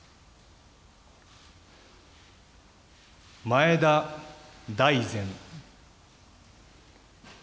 前田大然。